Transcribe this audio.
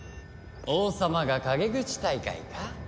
王様が陰口大会か。